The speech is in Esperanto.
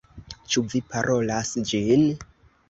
Ĉu vi parolas ĝin?